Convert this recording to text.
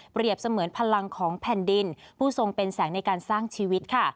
เสมือนพลังของแผ่นดินผู้ทรงเป็นแสงในการสร้างชีวิตค่ะ